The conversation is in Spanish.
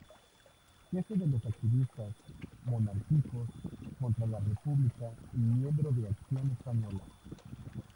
Jefe de los activistas monárquicos contra la República y miembro de Acción Española.